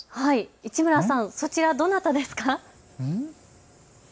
市村さん、そちら、どなたですか。